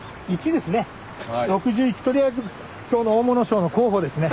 とりあえず今日の大物賞の候補ですね。